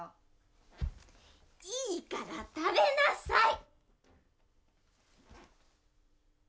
いいから食べなさい！